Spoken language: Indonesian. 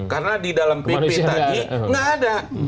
karena di dalam pp tadi nggak ada